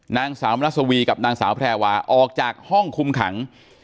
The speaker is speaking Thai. นางสาวมรัสวีกับนางสาวแพรวาออกจากห้องคุมขัง